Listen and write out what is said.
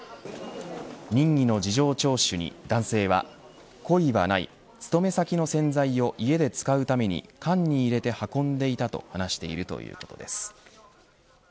任意の事情聴取に男性は故意はない、勤め先の洗剤を家で使うために、缶に入れて運んでいたと話しているということです。